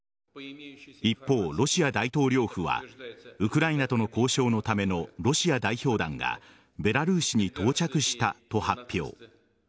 一方、ロシア大統領府はウクライナとの交渉のためのロシア代表団がベラルーシに到着したと発表。